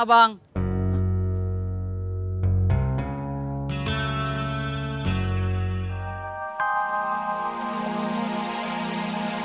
masa bang warriors abang nggak berbeaten pujiannya